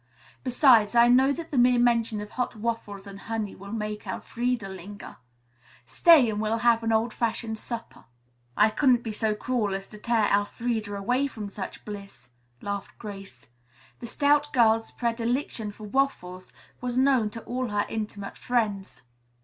Besides, I know that the mere mention of hot waffles and honey will make Elfreda linger. Stay, and we'll have an old fashioned supper." "I couldn't be so cruel as to tear Elfreda away from such bliss," laughed Grace. The stout girl's predeliction for waffles was known to all her intimate friends.